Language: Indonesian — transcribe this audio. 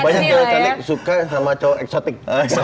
banyak banyak cewek cantik suka sama cowok eksotik